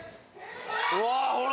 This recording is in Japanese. うわほら